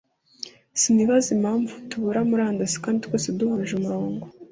sinibaza impamvu tubura murandasi kandi twese duhuje umurongo